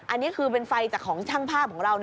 อันนี้คือเป็นไฟจากของช่างภาพของเรานะ